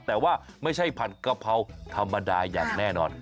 แต่ว่าไม่ใช่ผัดกะเพราธรรมดาอย่างแน่นอน